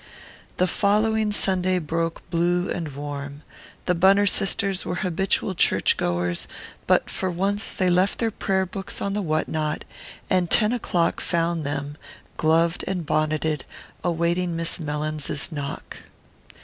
The following Sunday broke blue and warm. The Bunner sisters were habitual church goers, but for once they left their prayer books on the what not, and ten o'clock found them, gloved and bonneted, awaiting Miss Mellins's knock.